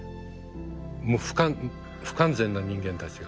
もう不完全な人間たちが。